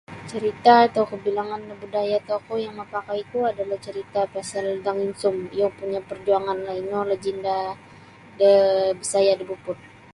Carita atau kabilangan da budaya tokou yang mapakaiku adalah carita pasal Dang Insum iyo punya perjuanganlah ino lajenda de Bisaya da Beaufort.